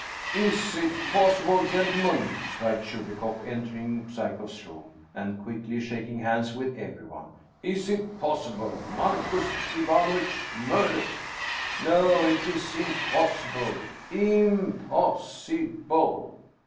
" Is it possible, gentlemen ?" cried Chubikoff, entering Psyekoff's room, and quickly shaking hands with every one. Is it possible? Marcus Ivanovitch? Murdered? No ! It is impossible ! Im poss i ble